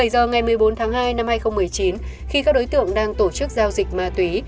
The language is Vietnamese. một mươi bảy h ngày một mươi bốn tháng hai năm hai nghìn một mươi chín khi các đối tượng đang tổ chức giao dịch ma túy